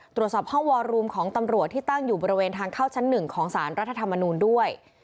ตรวจสอบห้องวอรูมของตำรวจที่ตั้งอยู่บริเวณทางเข้าชั้น๑ของสารรัฐธรรมนูลด้วย